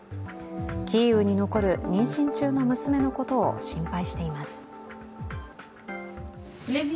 キーウに残る妊娠中の娘のことを心配しています。